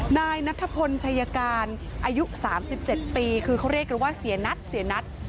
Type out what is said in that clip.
นายนัทพลชัยการอายุ๓๗ปีคือเขาเรียกกันว่าเสียนัทเสียนัท